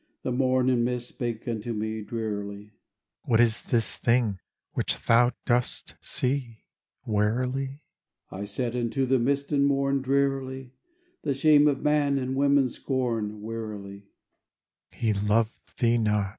The morn and mist spake unto me, Drearily: "What is this thing which thou dost see, Wearily?" I said unto the mist and morn, Drearily: "The shame of man and woman's scorn, Wearily."